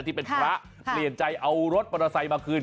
ที่เป็นพระเปลี่ยนใจเอารถมอเตอร์ไซค์มาคืน